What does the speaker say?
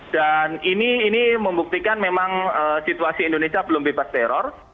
dan ini membuktikan memang situasi indonesia belum bebas teror